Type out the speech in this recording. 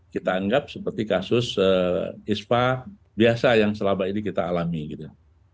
kita anggap seperti kasus ispa biasa yang selama ini kita alami gitu